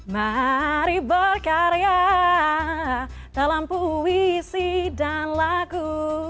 mari berkarya dalam puisi dan lagu